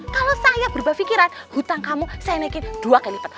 kalau saya berubah pikiran hutang kamu saya naikin dua kali lipat